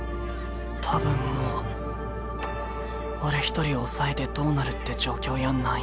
多分もう俺一人抑えてどうなるって状況やないんや。